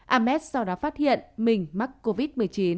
ames sau đó phát hiện mình mắc covid một mươi chín